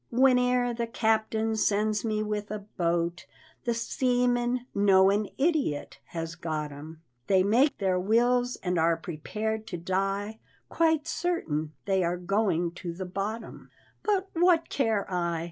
Whene'er the captain sends me with a boat, The seamen know an idiot has got 'em; They make their wills and are prepared to die, Quite certain they are going to the bottom. But what care I!